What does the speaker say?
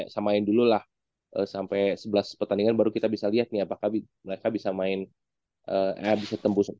samain dulu lah sampai sebelas pertandingan baru kita bisa lihat nih apakah mereka bisa main bisa tembus